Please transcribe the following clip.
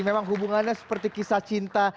memang hubungannya seperti kisah cinta